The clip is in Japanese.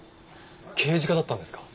刑事課だったんですか？